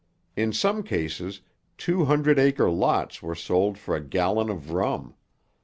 In some cases two hundred acre lots were sold for a gallon of rum.